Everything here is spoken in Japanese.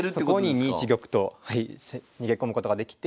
２一玉と逃げ込むことができて。